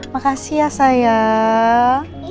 makasih ya sayang